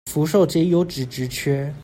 福壽街優質職缺